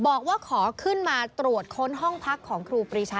บอกว่าขอขึ้นมาตรวจค้นห้องพักของครูปรีชา